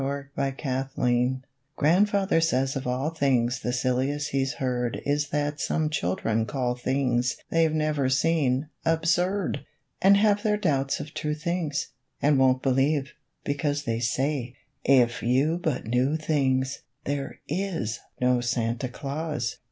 GRANDFATHER KNOWS Grandfather says of all things The silliest he's heard Is that some children call things They've never seen, "absurd!" And have their doubts of true things, And won't believe, because They say, "If you but knew things, There is no Santa Claus!"